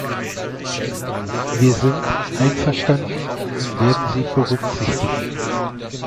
Wir sind einverstanden und werden sie berücksichtigen.